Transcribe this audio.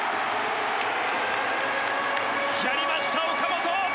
やりました岡本！